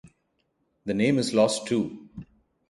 The name is lost too.